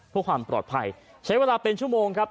เพื่อความปลอดภัยใช้เวลาเป็นชั่วโมงครับ